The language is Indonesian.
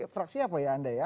fraksi apa ya anda ya